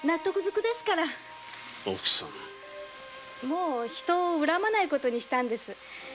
もう人を恨まない事にしたんです。